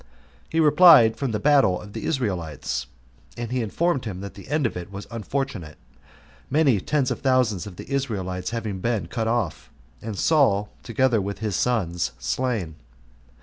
He replied, from the battle of the Israelites; and he informed him that the end of it was unfortunate, many ten thousands of the Israelites having been cut off, and Saul, together with his sons, slain.